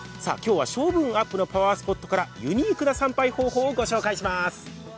今日は勝負運アップのパワースポットからユニークな参拝方法をご紹介します。